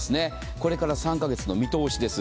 これから３か月の見通しです。